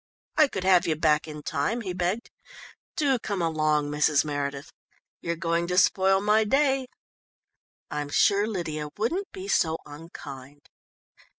"I could have you back in time," he begged. "Do come along, Mrs. Meredith! You're going to spoil my day." "I'm sure Lydia wouldn't be so unkind."